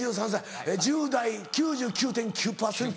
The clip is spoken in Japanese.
１０代９９．９％？